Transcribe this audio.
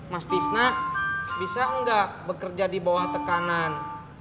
mas disna bisa enggak bekerja di bawah tekanan